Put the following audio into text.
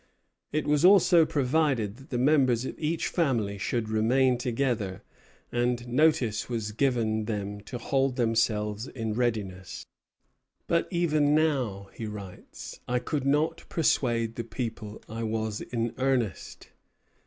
It was also provided that the members of each family should remain together; and notice was given them to hold themselves in readiness. "But even now," he writes, "I could not persuade the people I was in earnest."